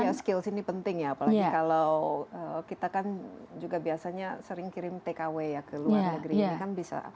ya skills ini penting ya apalagi kalau kita kan juga biasanya sering kirim tkw ya ke luar negeri ini kan bisa